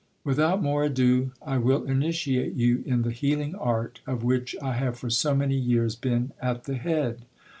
Without more ado, I will initiate you in the healing art, of which I have for so many years been at the head.